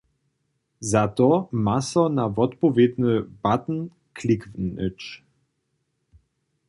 Za to ma so na wotpowědny button kliknyć.